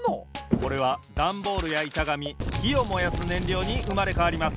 これはダンボールやいたがみひをもやすねんりょうにうまれかわります。